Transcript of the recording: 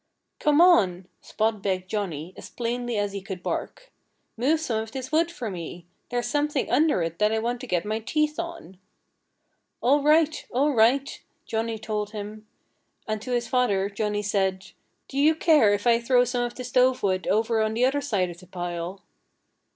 "Come on!" Spot begged Johnnie, as plainly as he could bark. "Move some of this wood for me! There's something under it that I want to get my teeth on." "All right! All right!" Johnnie told him. And to his father Johnnie said, "Do you care if I throw some of the stove wood over on the other side of the pile?"